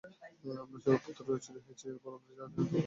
আপনার পুত্র চুরি করেছে এবং আমরা যা জানি তারই প্রত্যক্ষ বিবরণ দিলাম।